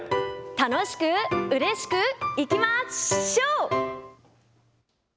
楽しく、うれしく、いきましょう！